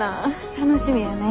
楽しみやね。